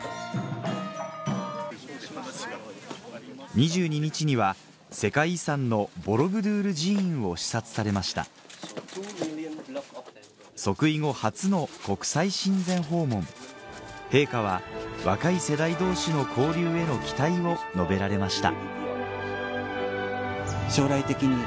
２２日には世界遺産のボロブドゥール寺院を視察されました即位後初の国際親善訪問陛下は若い世代同士の交流への期待を述べられました